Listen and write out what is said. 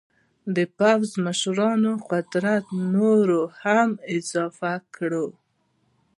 چې د پوځ د مشرانو قدرت نور هم اضافه کړي.